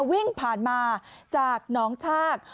วิ่งผ่านมาจากน้องชาก